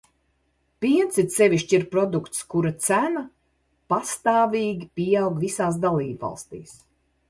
Piens it sevišķi ir produkts, kura cena pastāvīgi pieaug visās dalībvalstīs.